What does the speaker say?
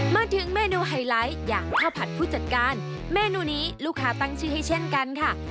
มาถึงเมนูไฮไลท์อย่างข้าวผัดผู้จัดการเมนูนี้ลูกค้าตั้งชื่อให้เช่นกันค่ะ